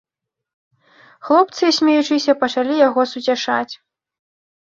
Хлопцы, смеючыся, пачалі яго суцяшаць.